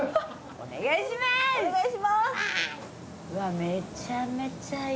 お願いします！